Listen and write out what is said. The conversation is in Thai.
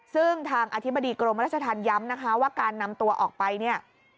ซึ่งทางอธิบดีกรมรัชธรรมย้ำว่าการนำตัวออกไป